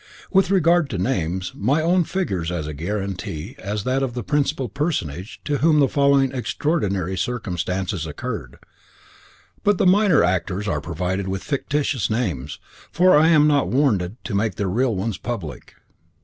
With regard to names, my own figures as a guarantee as that of the principal personage to whom the following extraordinary circumstances occurred, but the minor actors are provided with fictitious names, for I am not warranted to make their real ones public.